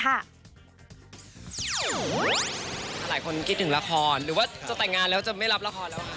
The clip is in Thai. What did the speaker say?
หลายคนคิดถึงละครหรือว่าจะแต่งงานแล้วจะไม่รับละครแล้วคะ